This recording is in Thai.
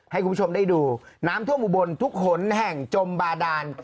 ให้คุณผู้ชมได้ดูน้ำท่วมอุบลทุกหนแห่งจมบาดาน